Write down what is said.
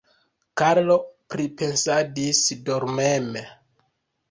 Karlo pripensadis dormeme.